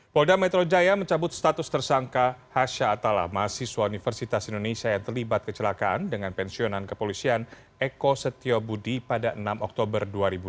polda metro jaya mencabut status tersangka hasha atala mahasiswa universitas indonesia yang terlibat kecelakaan dengan pensiunan kepolisian eko setiobudi pada enam oktober dua ribu dua puluh